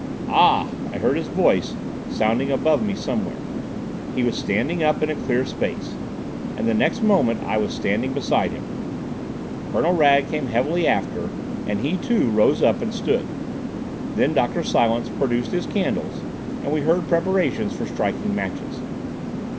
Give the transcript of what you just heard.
"Ah!" I heard his voice, sounding above me somewhere. He was standing up in a clear space, and the next moment I was standing beside him. Colonel Wragge came heavily after, and he too rose up and stood. Then Dr. Silence produced his candles and we heard preparations for striking matches.